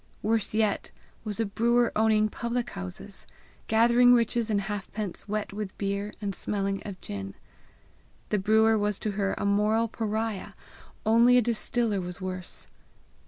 Worse yet was a brewer owning public houses, gathering riches in half pence wet with beer and smelling of gin. The brewer was to her a moral pariah; only a distiller was worse.